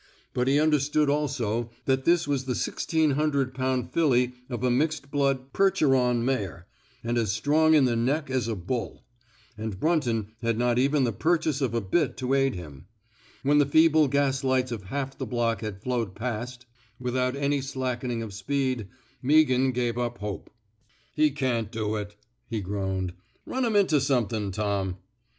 But he understood also that this was the 1,600 pound filly of a mixed blood Percheron mare, and as strong in the neck as a bull ; and Brunton had not even the purchase of a bit to aid him. When the feeble gaslights of half the block had flowed past, without any 141 i THE SMOKE. EATEES slackening of speed, Meaghan gave up hope. He can^t do it,*' he groaned. '* Run 'em into somethin', Tom.'